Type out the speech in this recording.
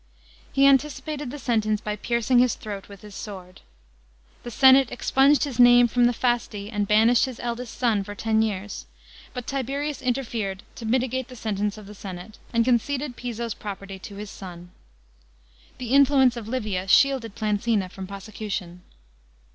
He anticipated the sentence by piercing his throat with his sword. The senate expunged his name from the Fasti, and banished his eldest son for ten years ; but Tiberius interfered to mitigate the sentence of the senate, and conceded Piso's property to his son. The influence of Livia shielded Plancina from prosecution.